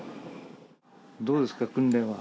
どうですか、訓練は？